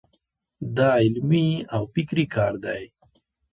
دا علمي او فکري کار دی.